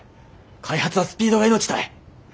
開発はスピードが命たい。